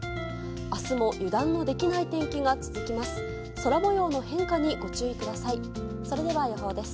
明日も油断のできない天気が続きます。